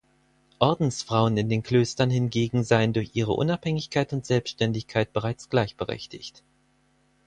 Ordensfrauen in den Klöstern hingegen seien durch ihre Unabhängigkeit und Selbstständigkeit bereits gleichberechtigt.